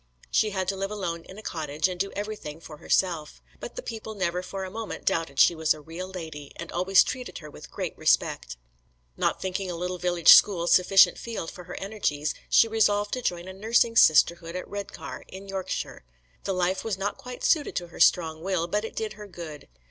She had to live alone in a cottage, and do everything for her self; but the people never for a moment doubted she was a real lady, and always treated her with great respect. Not thinking a little village school sufficient field for her energies, she resolved to join a nursing sisterhood at Redcar, in Yorkshire. The life was not quite suited to her strong will, but it did her good.